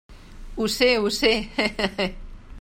Ho sé, ho sé, he, he, he.